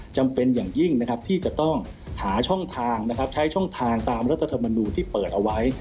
จำเป็นอย่างยิ่งนะครับที่จะต้องหาช่องทางใช้ช่องทางตามรัฐธรรมนูลที่เปิดเอาไว้